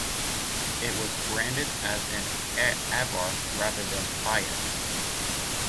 It was branded as an Abarth rather than Fiat.